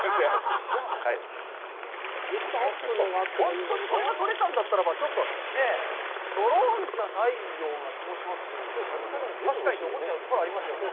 本当にこれが撮れたんだったらばちょっとねえ、ドローンじゃないような気もしますね、確かにと思っちゃうところはありますよね。